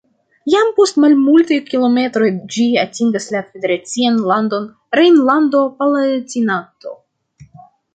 Jam post malmultaj kilometroj ĝi atingas la federacian landon Rejnlando-Palatinato.